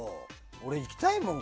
俺、行きたいもん。